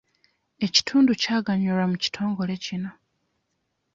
Ekitundu kyaganyulwa mu kitongole kino.